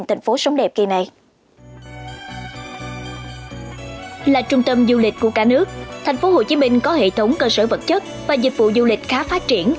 thành phố hồ chí minh có hệ thống cơ sở vật chất và dịch vụ du lịch khá phát triển